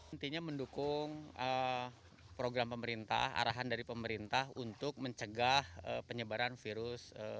intinya mendukung program pemerintah arahan dari pemerintah untuk mencegah penyebaran virus